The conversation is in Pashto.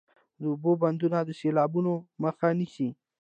د اوبو بندونه د سیلابونو مخه نیسي